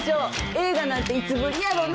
映画なんていつぶりやろねえ。